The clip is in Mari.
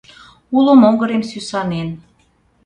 Уло могырем сӱсанен.